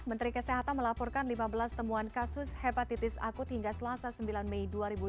menteri kesehatan melaporkan lima belas temuan kasus hepatitis akut hingga selasa sembilan mei dua ribu dua puluh